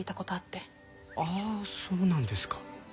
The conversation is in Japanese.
ああそうなんですか。